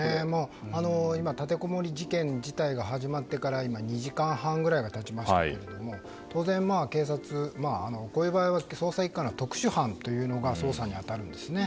立てこもり事件自体が始まってから今、２時間半ぐらい経ちましたけれども当然、警察、こういう場合は捜査１課の特殊班が捜査に当たるんですね。